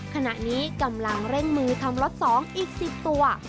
ขณะนี้กำลังเร่งมือทำล็อต๒อีก๑๐ตัว